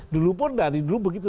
dulu pun dari dulu begitu